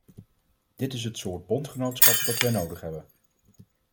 Dit is het soort bondgenootschap dat wij nodig hebben.